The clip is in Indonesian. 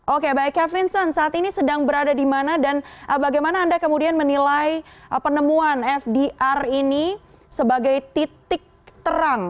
oke baik kevin sun saat ini sedang berada di mana dan bagaimana anda kemudian menilai penemuan fdr ini sebagai titik terang